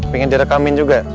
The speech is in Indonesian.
pengen direkamin juga